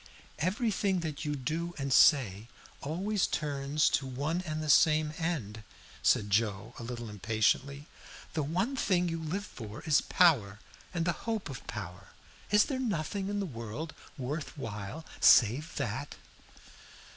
"Everything that you do and say always turns to one and the same end," said Joe, a little impatiently. "The one thing you live for is power and the hope of power. Is there nothing in the world worth while save that?"